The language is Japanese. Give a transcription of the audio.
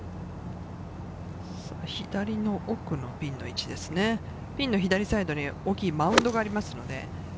左の奥のピンの位置ですね、ピンの左サイドに大きなマウンドがあります。